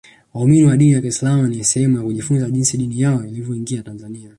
waumini wa dini ya kiislamu ni sehemu ya kujifunza jinsi dini yao ilivyoingia tanzania